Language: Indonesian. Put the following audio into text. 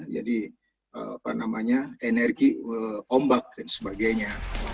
jadi apa namanya energi ombak dan sebagainya